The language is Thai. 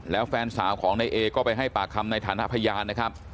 แล้วแฟนสาวของนายเอก็ไปให้ปากคำในฐานะพยานนะครับ